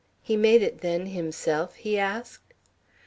"He made it, then, himself?" he asked.